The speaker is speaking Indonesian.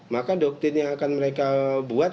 maka doktrinya akan mereka buat